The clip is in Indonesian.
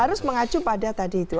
harus mengacu pada tadi itu